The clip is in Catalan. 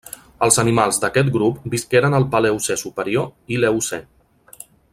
Els animals d'aquest grup visqueren al Paleocè superior i l'Eocè.